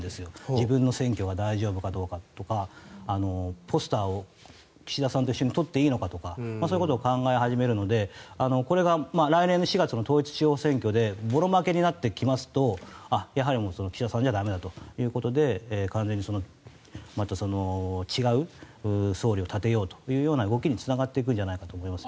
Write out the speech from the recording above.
自分の選挙は大丈夫かどうかとかポスターを岸田さんと一緒に撮っていいのかとかそういうことを考え始めるのでこれが来年の４月の統一地方選挙でぼろ負けになってきますとやはり岸田さんじゃ駄目だということで完全に違う総理を立てようというような動きにつながってくるんじゃないかと思います。